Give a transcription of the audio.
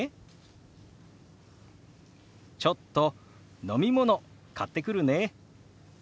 「ちょっと飲み物買ってくるね」。